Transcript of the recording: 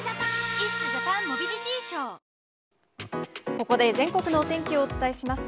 ここで全国のお天気をお伝えします。